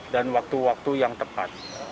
dan waktu waktu yang tepat